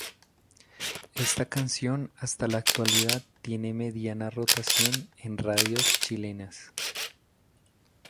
Esta canción hasta la actualidad tiene mediana rotación en radios chilenas.